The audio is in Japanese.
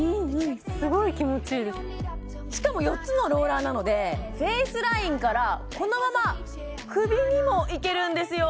すごい気持ちいいですしかも４つのローラーなのでフェイスラインからこのまま首にもいけるんですよ